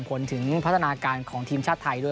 ผลถึงพัฒนาการของทีมชาติไทยด้วย